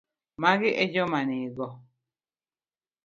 magi e joma nigo.